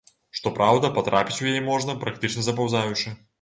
Што праўда, патрапіць у яе можна, практычна запаўзаючы.